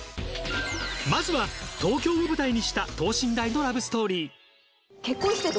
まずは東京を舞台にした等身大のラブストーリー。